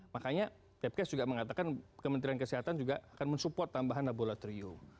makanya pepkes juga mengatakan kementerian kesehatan juga akan mensupport tambahan laboratorium